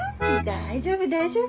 大丈夫大丈夫。